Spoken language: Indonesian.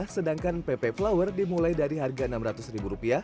sedangkan mpe mpe flower dimulai dari rp enam ratus